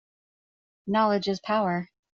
Knowledge is power.